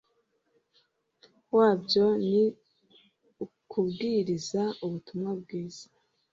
wabyo ni ukubwiriza ubutumwa bwiza